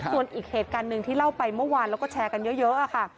ส่วนอีกเหตุการณ์หนึ่งที่เล่าไปเมื่อวานแล้วก็แชร์กันเยอะค่ะ